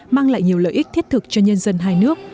mang lại nhiều lợi ích thiết thực cho nhân dân hai nước